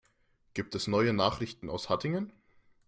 Gibt es neue Nachrichten aus Hattingen?